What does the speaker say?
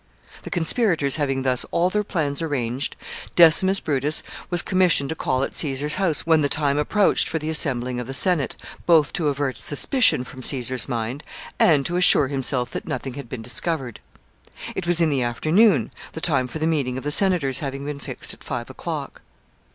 ] The conspirators having thus all their plans arranged, Decimus Brutus was commissioned to call at Caesar's house when the time approached for the assembling of the Senate, both to avert suspicion from Caesar's mind, and to assure himself that nothing had been discovered It was in the afternoon, the time for the meeting of the senators having been fixed at five o'clock.